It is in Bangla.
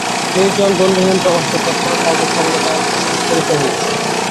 নির্জন বন্ধুহীন প্রবাসে প্রত্যহ তাহাকে সঙ্গদান করিতে হইবে?